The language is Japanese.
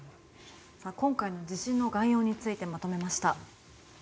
今回の地震の概要についてまとめました。